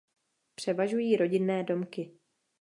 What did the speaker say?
Převažují rodinné domky.